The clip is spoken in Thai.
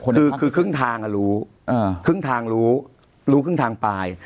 คือคือครึ่งทางรู้ครึ่งทางรู้รู้ครึ่งทางปลาย